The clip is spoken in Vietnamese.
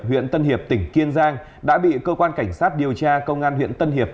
huyện tân hiệp tỉnh kiên giang đã bị cơ quan cảnh sát điều tra công an huyện tân hiệp